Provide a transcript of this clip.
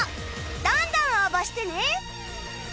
どんどん応募してね！